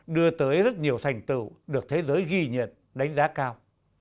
đưa tới rất nhiều thành tựu được thế giới ghi nhận đánh giá cao